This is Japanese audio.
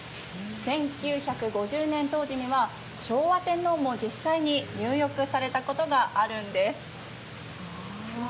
１９５０年当時には昭和天皇も実際に入浴されたことがあるんです。